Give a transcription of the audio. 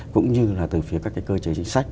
cũng như là từ phía các cái cơ chế chính sách